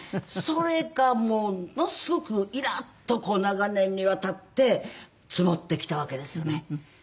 それがものすごくイラッとこう長年にわたって積もってきたわけですよね。